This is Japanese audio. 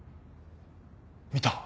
見た！？